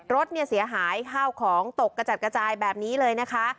รถเนี่ยเสียหายข้าวของตกกระจัดกระจายแบบนี้เลยนะคะ